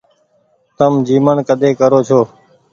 تم جيمڻ ڪۮي ڪرو ڇو۔